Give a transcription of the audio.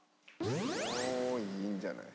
もういいんじゃない？